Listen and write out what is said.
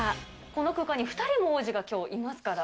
この空間に２人も王子がきょういますから。